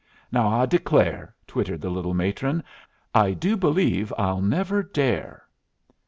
"Now I declare!" twittered the little matron. "I do believe I'll never dare."